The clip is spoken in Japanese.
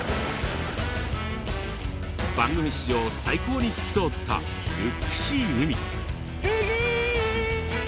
番組史上最高に透き通った美しい海！